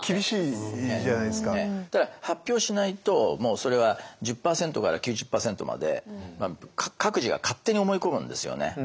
ただ発表しないともうそれは１０％から９０％まで各自が勝手に思い込むんですよね。